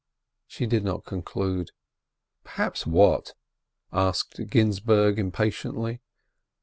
She did not conclude. "Perhaps what?" asked Ginzburg, impatiently.